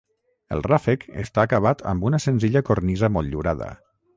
El ràfec està acabat amb una senzilla cornisa motllurada.